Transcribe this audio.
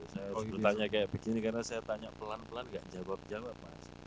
saya harus bertanya kayak begini karena saya tanya pelan pelan gak jawab jawab mas